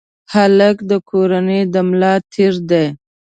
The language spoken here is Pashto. هلک د کورنۍ د ملا تیر دی.